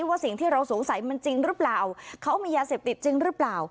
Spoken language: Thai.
ว่าสิ่งที่เราสงสัยมันจริงหรือเปล่าเขามียาเสพติดจริงหรือเปล่า